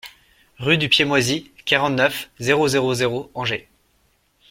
RUE DU PIED MOISI, quarante-neuf, zéro zéro zéro Angers